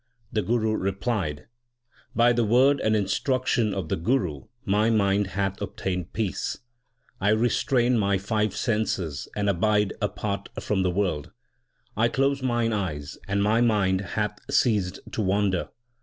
The Guru replied : By the word and instruction of the Guru my mind hath obtained peace ; I restrain my five senses and abide apart from the world ; I close mine eyes and my mind hath ceased to wander.